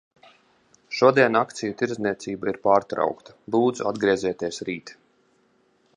Šodien akciju tirdzniecība ir pārtraukta. Lūdzu, atgriezieties rīt.